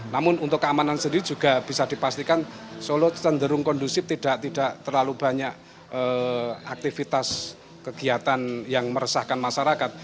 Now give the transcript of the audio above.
namun untuk keamanan sendiri juga bisa dipastikan solo cenderung kondusif tidak terlalu banyak aktivitas kegiatan yang meresahkan masyarakat